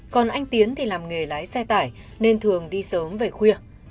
còn anh tiến thì làm nghề lái xe tải nên thường đi sớm về khuya